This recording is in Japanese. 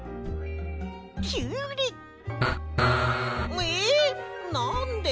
えなんで？